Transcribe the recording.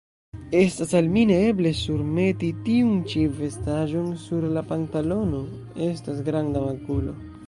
Estas al mi neeble surmeti tiun ĉi vestaĵon; sur la pantalono estas granda makulo.